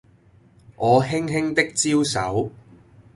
我輕輕的招手